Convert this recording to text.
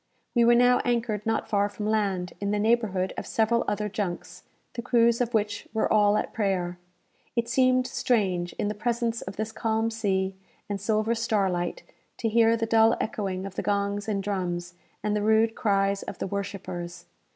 We were now anchored not far from land, in the neighbourhood of several other junks, the crews of which were all at prayer. It seemed strange, in the presence of this calm sea and silver starlight, to hear the dull echoing of the gongs and drums, and the rude cries of the worshippers.